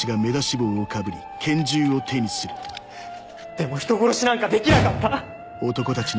でも人殺しなんかできなかった！